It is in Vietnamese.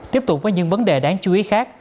tiếp tục với những vấn đề đáng chú ý khác